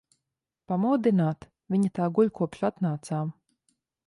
Pamodināt? Viņa tā guļ, kopš atnācām.